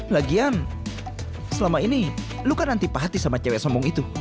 lagian selama ini lu kan antipati sama cewek sombong itu